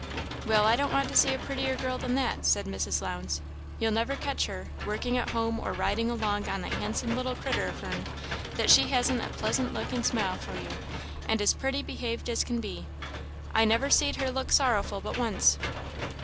"Well, I don't want to see a prettier girl that that," said Mrs. Lowndes; "you'll never catch her, working at home or riding along on that handsome little critter of her'n, that she han't a pleasant look and a smile for you, and as pretty behaved as can be. I never see her look sorrowful but once."